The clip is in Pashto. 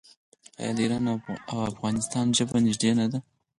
آیا د ایران او افغانستان ژبه نږدې نه ده؟